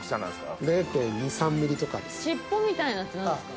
尻尾みたいなやつ何ですか？